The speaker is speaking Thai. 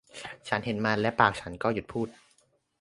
ฉันเห็นมันและปากฉันก็หยุดพูด